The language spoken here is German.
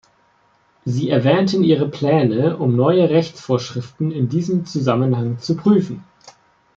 Sie erwähnten Ihre Pläne, um neue Rechtsvorschriften in diesem Zusammenhang zu prüfen.